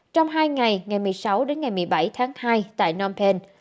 trong hai ngày ngày một mươi sáu đến ngày một mươi bảy tháng hai tại phnom penh